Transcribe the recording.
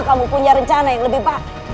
apa kamu punya rencana yang lebih baik